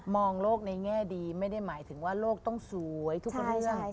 มองโลกในแง่ดีไม่ได้หมายถึงว่าโลกต้องสวย